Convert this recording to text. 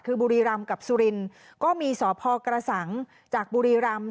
คือบุรีรำกับสุรินทร์ก็มีสพกระสังจากบุรีรำ